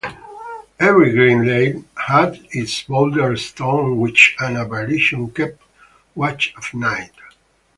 Every green lane had its boulder-stone on which an apparition kept watch at night.